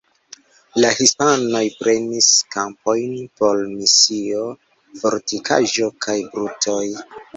La hispanoj prenis kampojn por misio, fortikaĵo kaj brutoj.